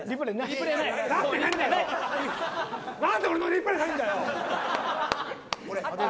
何で俺のリプレーないんだよ！